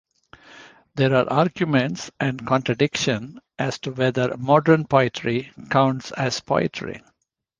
There are arguments and contradiction as to whether "modern poetry" counts as poetry.